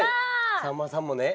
さんまさんもね。